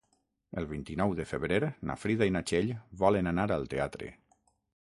El vint-i-nou de febrer na Frida i na Txell volen anar al teatre.